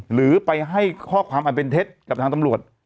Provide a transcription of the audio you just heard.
หรือไปให้ข้อความอันเป็นเท็จกับทางตำรวจ